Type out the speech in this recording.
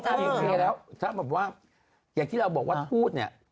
ถ้าสมมุติเขาเข้าบนเครื่องบินแล้วถ้าแบบว่าอย่างที่เราบอกว่าทูธเนี่ย